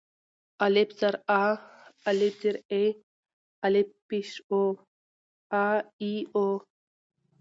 الپ زر آ، الپ زر اي، الپ پېښ أو آآ اي او.